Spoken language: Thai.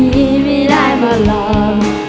พี่ไม่ได้มาหลอก